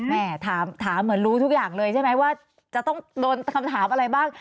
แม่ถามเหมือนรู้ทุกอย่างเลยใช่ไหมว่าจะต้องโดนคำถามอะไรบ้าง